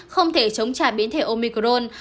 không thể chống trả biến thể omicron